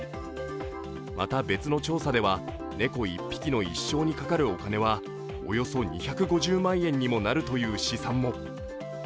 また、別の調査では猫１匹の一生にかかるお金はおよそ２５０万円にもなるという試算も。